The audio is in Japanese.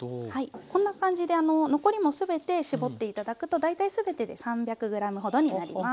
こんな感じで残りも全て絞って頂くと大体全てで３００ｇほどになります。